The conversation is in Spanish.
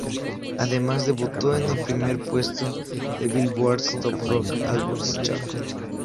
Además, debutó en el primer puesto del Billboard's Top Rock Albums chart.